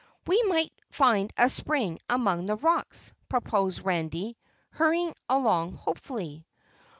"We might find a spring among the rocks," proposed Randy, hurrying along hopefully.